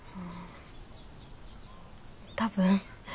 多分。